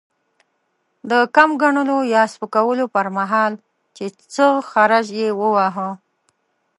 د کم ګڼلو يا سپکولو پر مهال؛ چې څه خرج يې وواهه.